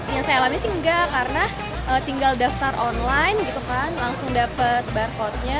yang saya alami sih enggak karena tinggal daftar online gitu kan langsung dapat barcode nya